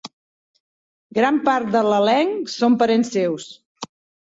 Gran part de l'elenc són parents seus.